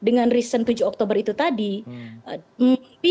karena saat ini amerika sudah tidak dukung seperti awal ketika dia dikonsumsi